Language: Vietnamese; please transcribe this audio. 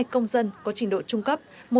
hai công dân có trình độ trung cấp